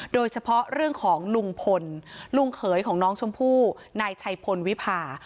โดยเฉพาะเรื่องของลุงพลลุงเขยของน้องชมพู่นายชัยพลวิพา